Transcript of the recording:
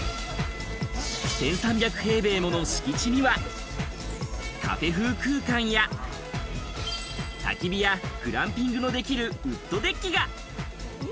１３００平米もの敷地にはカフェ風空間やたき火やグランピングもできるウッドデッキが。